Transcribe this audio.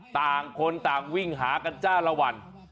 ต่างคนต่างวิ่งหากันจ้าละวัน